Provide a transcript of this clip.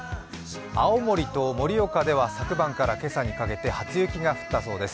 青森と盛岡では昨晩から今朝にかけて初雪が降ったそうです。